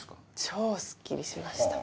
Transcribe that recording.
超スッキリしました。